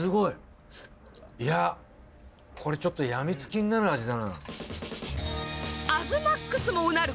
いやこれちょっと病みつきになる味だな。